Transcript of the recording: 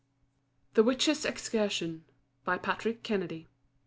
] THE WITCHES' EXCURSION. PATRICK KENNEDY.